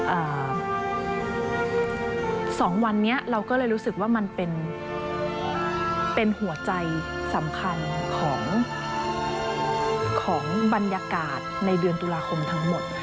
สองวันนี้เราก็เลยรู้สึกว่ามันเป็นเป็นหัวใจสำคัญของของบรรยากาศในเดือนตุลาคมทั้งหมด